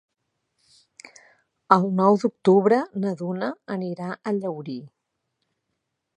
El nou d'octubre na Duna anirà a Llaurí.